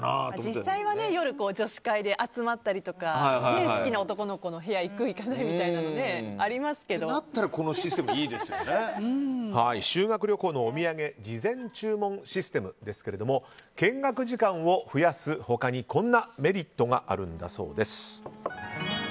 実際は夜女子会で集まったりとか好きな男の子部屋行く行かないみたいなそうなったらこのシステム修学旅行のお土産事前注文システムですが見学時間を増やす他にこんなメリットがあるそうです。